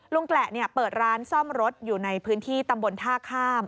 แกละเปิดร้านซ่อมรถอยู่ในพื้นที่ตำบลท่าข้าม